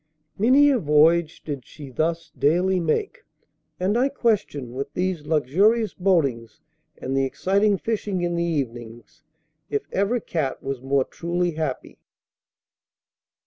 Many a voyage did she thus daily make, and I question, with these luxurious boatings and the exciting fishing in the evenings, if ever cat was more truly happy.